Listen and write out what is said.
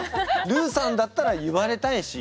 ルーさんだったら言われたいし。